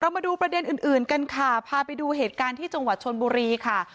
มาดูประเด็นอื่นกันค่ะพาไปดูเหตุการณ์ที่จังหวัดชนบุรีค่ะ